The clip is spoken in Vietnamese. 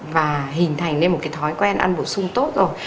và hình thành nên một cái thói quen ăn bổ sung tốt rồi